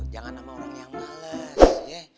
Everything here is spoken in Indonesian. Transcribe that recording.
jangan sama orang yang males